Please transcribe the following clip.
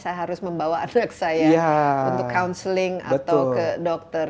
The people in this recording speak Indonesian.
saya harus membawa anak saya untuk counseling atau ke dokter